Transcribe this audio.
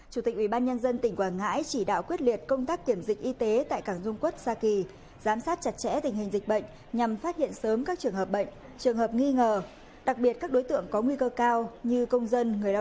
trước sự xuất hiện của dịch mers cov đặc biệt là tại hàn quốc và có nguy cơ thâm nhập vào việt nam chủ tịch ubnd tỉnh quảng ngãi đã có văn bản chỉ đạo ngay cho sở y tế quảng ngãi tham mưu ubnd tỉnh triển khai các biện pháp phòng chống mers cov